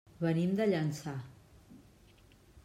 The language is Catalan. Venim de Llançà.